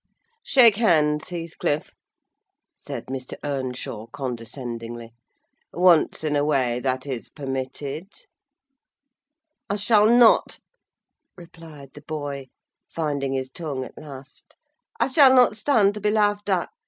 "Shake hands, Heathcliff," said Mr. Earnshaw, condescendingly; "once in a way, that is permitted." "I shall not," replied the boy, finding his tongue at last; "I shall not stand to be laughed at.